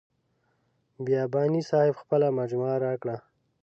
بیاباني صاحب خپله مجموعه راکړه.